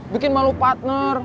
bikin malu partner